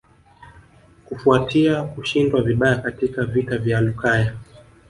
Kufuatia kushindwa vibaya katika vita vya Lukaya